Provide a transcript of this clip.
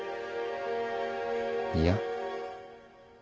いや。